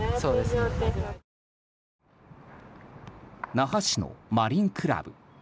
那覇市のマリンクラブ。